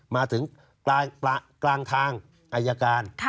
มาถึงกลางทางอายการ